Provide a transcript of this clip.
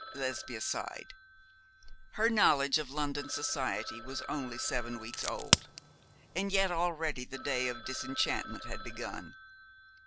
Lesbia sighed. Her knowledge of London society was only seven weeks old; and yet already the day of disenchantment had begun!